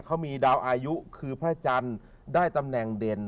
เขามีดาวอายุคือพระจันทร์ได้ตำแหน่งเด่น